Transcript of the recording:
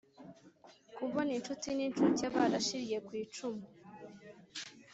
Kubon inshuti n'incuke barashiriye kw'icumu